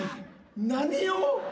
何を！？